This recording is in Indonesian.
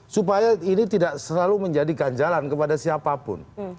supaya ini tidak selalu menjadi ganjalan kepada siapapun